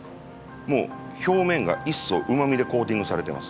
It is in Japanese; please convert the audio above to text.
もう表面が１層うまみでコーティングされてます。